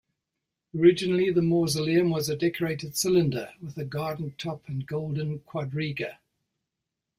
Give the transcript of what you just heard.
Originally the mausoleum was a decorated cylinder, with a garden top and golden quadriga.